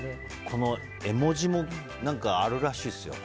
この絵文字も何かあるらしいっすよ。